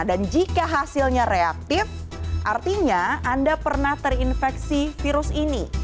dan jika hasilnya reaktif artinya anda pernah terinfeksi virus ini